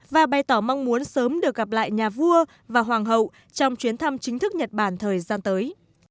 và bày tỏ mong muốn sớm được gặp lại nhà vua và hoàng hậu trong chuyến thăm chính thức nhật bản thời gian tới